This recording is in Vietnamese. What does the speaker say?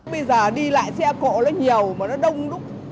bây giờ đi lại xe cộ nó nhiều mà nó đông đúc